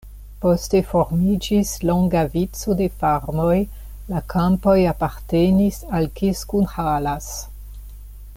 Poste formiĝis longa vico de farmoj, la kampoj apartenis al Kiskunhalas.